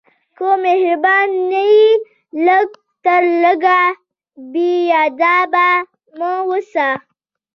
که مهربان نه یې، لږ تر لږه بېادبه مه اوسه.